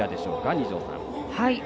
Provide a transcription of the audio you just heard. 二條さん。